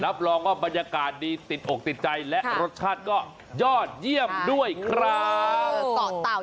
รับรองว่าบรรยากาศดีติดอกติดใจและรสชาติก็ยอดเยี่ยมด้วยครับ